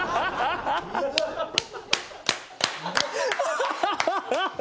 アハハハ！